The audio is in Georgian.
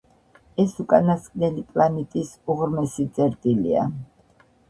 ეს უკანასკნელი პლანეტის უღრმესი წერტილია.